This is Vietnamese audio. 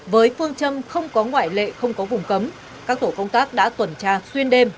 với phương châm không có ngoại lệ không có vùng cấm các tổ công tác đã tuần tra xuyên đêm